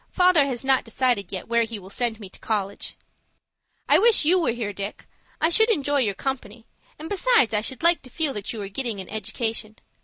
Father has not decided yet where he will send me to college. "I wish you were here, Dick. I should enjoy your company, and besides I should like to feel that you were getting an education.